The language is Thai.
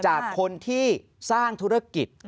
จากคนที่สร้างธุรกิจ